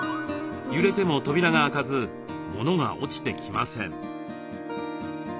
揺れても扉が開かずものが落ちてきません。